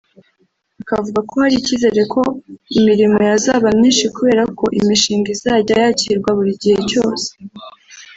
Akavuga ko hari ikizere ko imirimo yazaba myinshi kubera ko imishinga izajya yakirwa buri gihe cyose